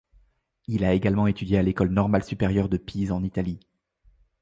Il a également étudié à l'École normale supérieure de Pise, en Italie.